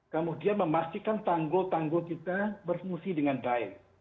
kemudian memastikan tanggul tanggul kita berfungsi dengan baik